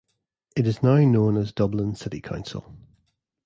It is now known as Dublin City Council.